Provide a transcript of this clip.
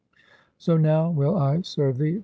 "So now will I serve thee.